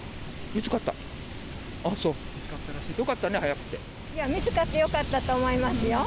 見つかってよかったと思いますよ。